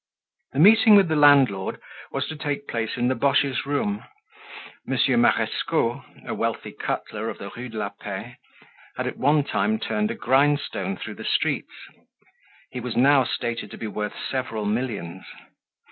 The meeting with the landlord was to take place in the Boches' room. Monsieur Marescot, a wealthy cutler of the Rue de la Paix, had at one time turned a grindstone through the streets. He was now stated to be worth several millions.